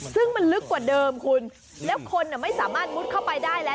ซึ่งมันลึกกว่าเดิมคุณแล้วคนไม่สามารถมุดเข้าไปได้แล้ว